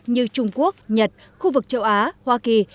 như trung quốc nhật khu vực châu á hoa kỳ